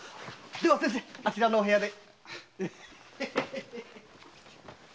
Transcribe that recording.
では先生あちらの部屋で。